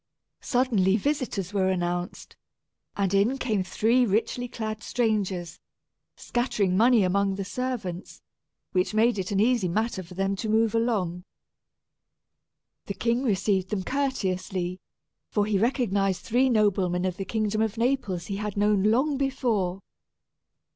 Suddenly visitors were announced, and in came three richly clad strangers, scattering money among the servants, which made it an easy matter for them to move along. The king received them courteously, for he recognized three noblemen of the kingdom of Naples he had known long before.